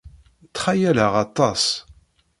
Ttxayaleɣ aṭas.